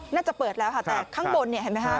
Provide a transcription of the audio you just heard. น่าจะเปิดแล้วค่ะแต่ข้างบนเนี่ยเห็นไหมคะ